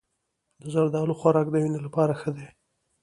د زردالو خوراک د وینې لپاره ښه دی.